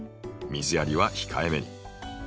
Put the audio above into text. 水やりは控えめに。